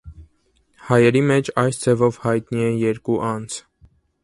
Հայերի մեջ, այս ձևով հայտնի է երկու անձ։